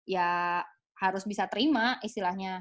ya harus bisa terima istilahnya